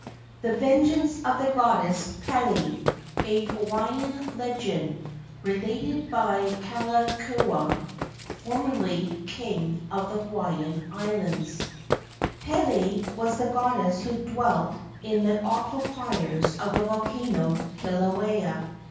THE VENGEANCE OF THE GODDESS PELE A HAWAHAN LEGEND RELATED BY KALAKAUA, FORM ERLY KENG OF THE HAWAHAN ISLANDS [Pele was the goddess who dwelt in the awful fires of the volcano Kilauea.